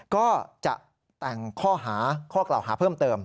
ก็จะแต่งข้อเกลาหาเพิ่มเติม